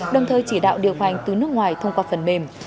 đồng thời chỉ đạo điều hành từ nước ngoài thông qua phần mềm